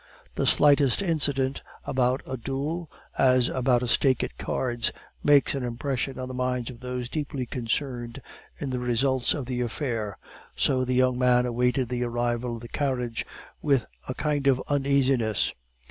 The slightest incident about a duel, as about a stake at cards, makes an impression on the minds of those deeply concerned in the results of the affair; so the young man awaited the arrival of the carriage with a kind of uneasiness.